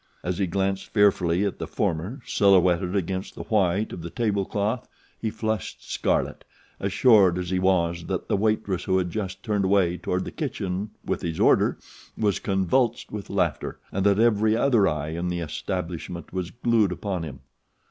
As he glanced fearfully at the former, silhouetted against the white of the table cloth, he flushed scarlet, assured as he was that the waitress who had just turned away toward the kitchen with his order was convulsed with laughter and that every other eye in the establishment was glued upon him.